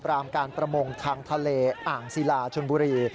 รามการประมงทางทะเลอ่างศิลาชนบุรี